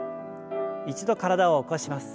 一度体を起こします。